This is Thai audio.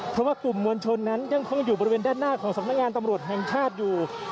เพราะว่ากลุ่มมวลชนนั้นยังคงอยู่บริเวณด้านหน้าของสำนักงานตำรวจแห่งชาติอยู่